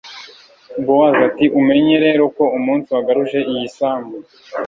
bowozi ati umenye rero ko umunsi wagaruje iyi sambu